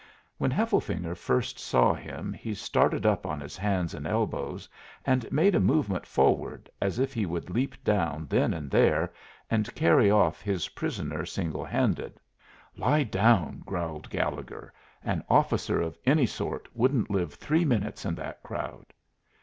When Hefflefinger first saw him he started up on his hands and elbows and made a movement forward as if he would leap down then and there and carry off his prisoner single handed. "Lie down," growled Gallegher; "an officer of any sort wouldn't live three minutes in that crowd."